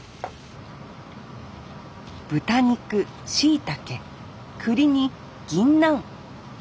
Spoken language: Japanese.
豚肉しいたけくりにぎんなん。